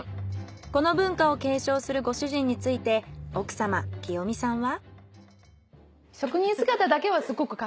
この文化を継承するご主人について奥様清美さんは。